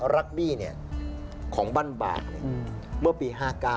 รักบีนี่ของบานบากเมื่อปี๑๙๕๙